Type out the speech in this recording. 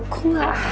kok gak ada ya